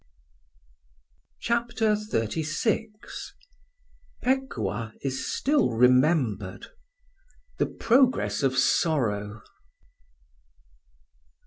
CHAPTER XXXVI PEKUAH IS STILL REMEMBERED. THE PROGRESS OF SORROW.